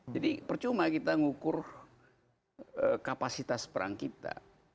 jadi percuma kita ngukur kapasitas perang kita